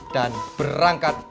dan berangkat tahun ini mah